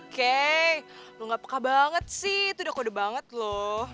kay lo enggak peka banget sih itu udah kode banget lo